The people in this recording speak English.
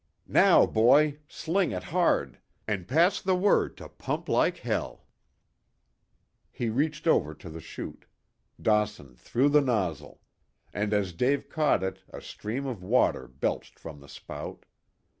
"Now, boy! Sling it hard! And pass the word to pump like hell!" He reached out over the shoot. Dawson threw the nozzle. And as Dave caught it a stream of water belched from the spout.